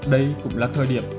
đây cũng là thời điểm